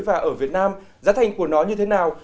và ở việt nam giá thành của nó như thế nào